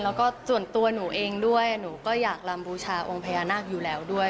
แล้วก็ส่วนตัวหนูเองด้วยหนูก็อยากลำบูชาองค์พญานาคอยู่แล้วด้วย